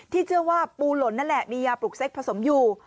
เชื่อว่าปูหล่นนั่นแหละมียาปลูกเซ็กผสมอยู่